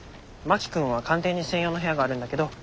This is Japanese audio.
真木君は官邸に専用の部屋があるんだけど